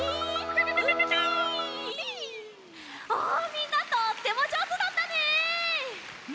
あみんなとってもじょうずだったね。